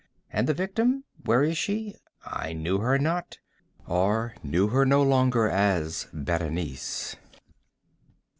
—and the victim—where is she? I knew her not—or knew her no longer as Berenice.